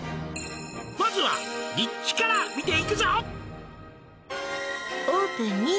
「まずは立地から見ていくぞ」